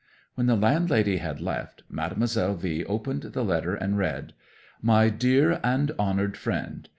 'When the landlady had left, Mademoiselle V opened the letter and read "MY DEAR AND HONOURED FRIEND.